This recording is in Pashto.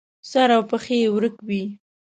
سر او پښې یې ورک وي.